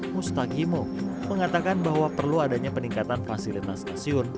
musta gimo mengatakan bahwa perlu adanya peningkatan fasilitas stasiun